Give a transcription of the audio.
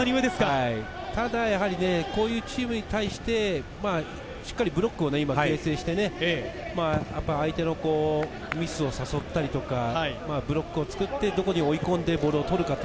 ただこういうチームに対して、ブロックを形成して、相手のミスを誘ったりとか、ブロックを作ってどこに追い込んでボールを取るか。